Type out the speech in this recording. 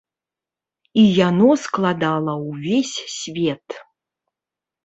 І яно складала ўвесь свет.